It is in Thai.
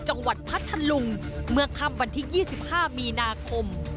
พัทธลุงเมื่อค่ำวันที่๒๕มีนาคม